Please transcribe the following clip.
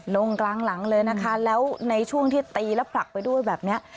ลงกลางหลังเลยนะคะแล้วในช่วงที่ตีแล้วผลักไปด้วยแบบเนี้ย